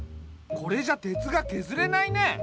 これじゃ鉄がけずれないね。